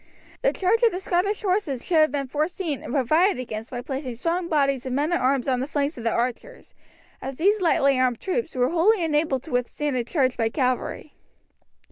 The charge of the Scottish horses should have been foreseen and provided against by placing strong bodies of men at arms on the flanks of the archers, as these lightly armed troops were wholly unable to withstand a charge by cavalry.